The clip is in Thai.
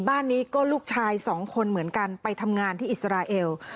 บ้านนี้ก็ลูกชายสองคนเหมือนกันไปทำงานที่อิสราเอล